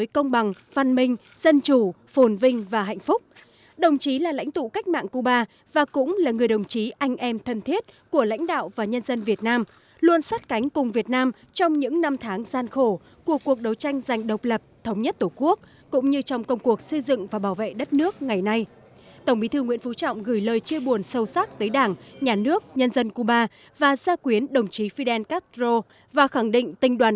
cảm ơn các bạn đã theo dõi và hẹn gặp lại